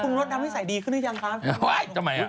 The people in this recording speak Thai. คุณรถน้ำนิสัยดีขึ้นหรือยังครับ